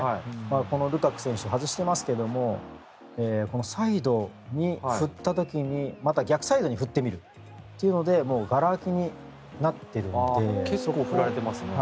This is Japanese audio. このルカク選手、外していますがこのサイドに振った時にまた逆サイドに振ってみるというので結構振られていますね。